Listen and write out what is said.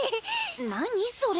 何それ？